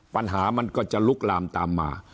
ปัญหามันก็จะลุกลามตามมา